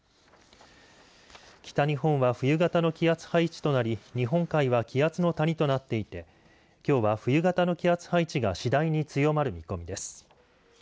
北日本は冬型の気圧配置となり日本海は気圧の谷となっていてきょうは冬型の気圧配置が次第に強まる見込みです。